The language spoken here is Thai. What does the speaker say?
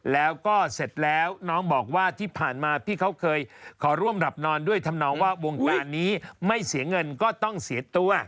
แล้วก็เสร็จแล้วน้องบอกว่าที่ผ่านมาพี่เขาเคยขอร่วมหลับนอนด้วยทำนองว่าวงการนี้ไม่เสียเงินก็ต้องเสียตัว